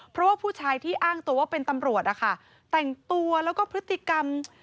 เพราะว่าผู้ชายที่อ้างตัวว่าเป็นตำรวจนะคะแต่งตัวแล้วก็พฤติกรรม